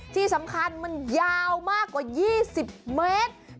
ที่สำคัญมันยาวมากกว่า๒๐เมตร